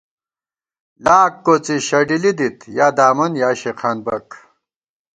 لاک کوڅی شڈِلِی دِت یادامن یا شېخانبَک